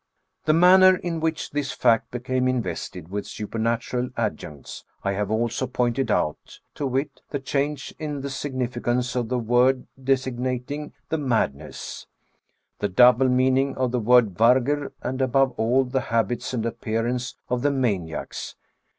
The manner in which this fact became invested with supernatural adjuncts I have also pointed out, to wit, the change in the significance of the word designating the madness, the double meaning of the word vargr, and 4—2 62 THE BOOK OF WERE WOLVES. above all, the habits and appearance of the maniacs.